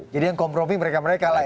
jadi yang kompromi mereka mereka lah ya